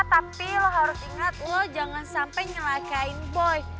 tapi lo harus ingat lo jangan sampai nyelakain boy